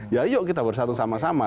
ya yuk kita bersatu sama sama